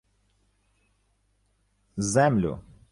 — Землю...